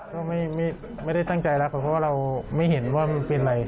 ก็ไม่ได้ตั้งใจแล้วครับเพราะว่าเราไม่เห็นว่ามันเป็นอะไร